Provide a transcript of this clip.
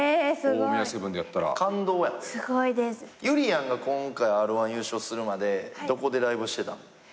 ゆりやんが今回Ｒ−１優勝するまでどこでライブしてたん？